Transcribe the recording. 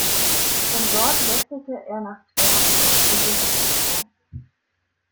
Von dort wechselte er nach Twer und schließlich nach Moskau.